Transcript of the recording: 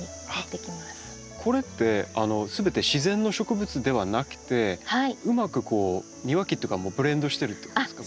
これってすべて自然の植物ではなくてうまくこう庭木とかもブレンドしてるってことですか？